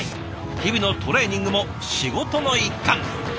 日々のトレーニングも仕事の一環。